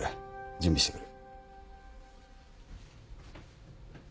準備してくる。